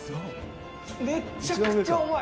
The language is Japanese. めちゃくちゃ重い。